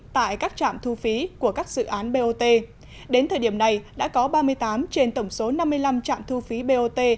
tại các trạm thu phí của các dự án bot đến thời điểm này đã có ba mươi tám trên tổng số năm mươi năm trạm thu phí bot